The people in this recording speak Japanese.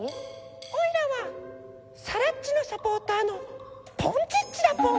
おいらは沙羅っちのサポーターのポンチッチだポン！